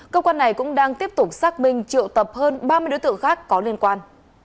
cơ quan này cũng đang tiếp tục xác minh triệu tập hơn ba mươi đối tượng khác có liên quan